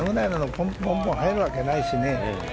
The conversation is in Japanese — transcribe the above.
ポンポン入るわけじゃないしね。